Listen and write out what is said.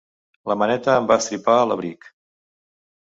La maneta em va estripar l'abric.